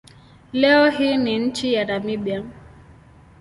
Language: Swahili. Leo hii ni nchi ya Namibia.